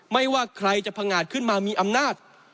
ไม่ว่าใครจะพังงาดขึ้นมามีอำนาจ